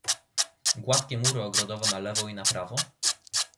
"Gładkie mury ogrodowe na lewo i na prawo?"